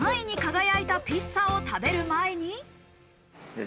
世界第３位に輝いたピッツァを食べる前に。